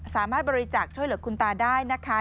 สามารถบริจาคช่วยเหลือคุณตาได้นะคะ